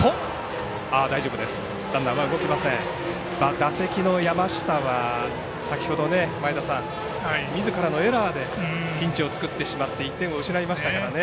打席の山下は先ほど、みずからのエラーでピンチを作ってしまって１点を失いましたからね。